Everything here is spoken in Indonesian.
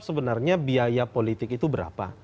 sebenarnya biaya politik itu berapa